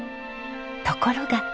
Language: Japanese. ところが。